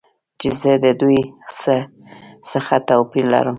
چې زه د دوی څخه توپیر لرم.